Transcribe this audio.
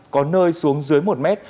có nơi xuống dưới một mét